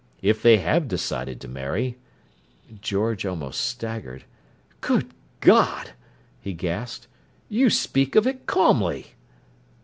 If they have decided to marry—" George almost staggered. "Good God!" he gasped. "You speak of it calmly!"